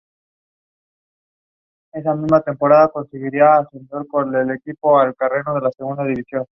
Dicta infinidad de conferencias en el país y en el extranjero.